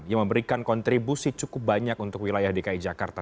yang memberikan kontribusi cukup banyak untuk wilayah dki jakarta